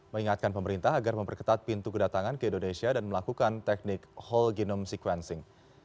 mengingatkan pemerintah agar memperketat pintu kedatangan ke indonesia dan melakukan teknik whole genome sequencing